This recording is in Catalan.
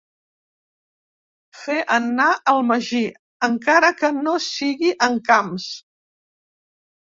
Fer anar el magí, encara que no sigui en Camps.